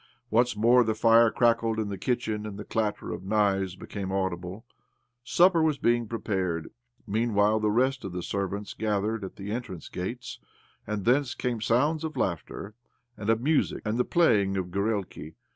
Once more the fire crackled in the kitchen, and the clatter of knives became audible . Supper was being prepared. Meanwhile the rest of the servants gathered at the entrance gates, and thence came sounds of laughter, and of music, and of the playing of gorielki.